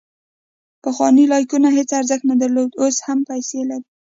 پخوا لایکونه هیڅ ارزښت نه درلود، اوس هم پیسې لري.